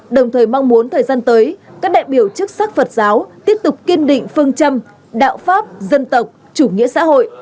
đồng thời mong muốn thời gian tới các đại biểu chức sắc phật giáo tiếp tục kiên định phương châm đạo pháp dân tộc chủ nghĩa xã hội